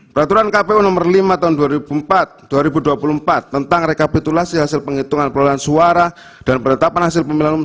peraturan kpu nomor lima tahun dua ribu dua puluh empat tentang rekapitulasi hasil penghitungan perolahan suara dan perletapan hasil pemilangun